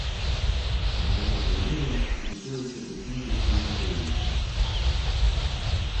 Голова боліла, і хотілося дихнути свіжим повітрям.